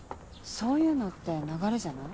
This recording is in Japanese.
そういうのって流れじゃない？